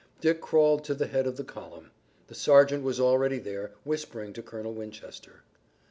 Dick crawled to the head of the column. The sergeant was already there, whispering to Colonel Winchester.